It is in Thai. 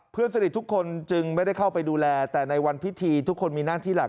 เพื่อนสนิททุกคนจึงไม่ได้เข้าไปดูแลแต่ในวันพิธีทุกคนมีหน้าที่หลัก